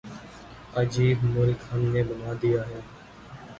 عجیب ملک ہم نے بنا دیا ہے۔